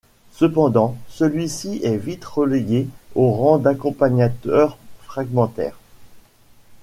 Cependant, celui-ci est vite relégué au rang d'accompagnateur fragmentaire.